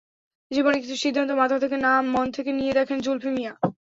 জীবনের কিছু সিদ্ধান্ত মাথা থেকে না মন থেকে নিয়ে দেখেন, জুলফি মিয়া।